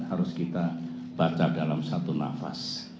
harus kita baca dalam satu nafas